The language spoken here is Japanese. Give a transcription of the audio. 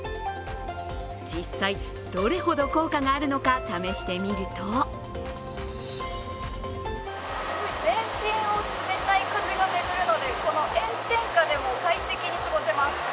実際どれほど効果があるのか試してみると全身を冷たい風が巡るのでこの炎天下でも快適に過ごせます。